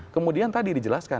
kemudian tadi dijelaskan